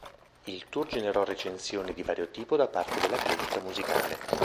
Il tour generò recensioni di vario tipo da parte della critica musicale.